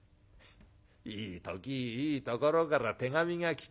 いい時いいところから手紙が来てるよ。